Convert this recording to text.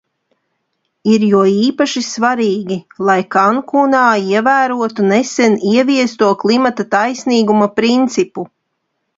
Ir jo īpaši svarīgi, lai Kankunā ievērotu nesen ieviesto klimata taisnīguma principu.